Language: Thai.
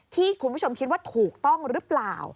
ที่คุณผู้ชมคิดว่าถูกต้องหรือเปล่า